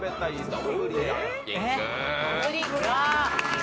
・丼？